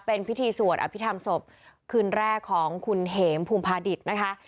เป็นพิธีสวดอภิษฐรรมศพคืนแรกของคุณเหมภูมิภาดิตนะคะ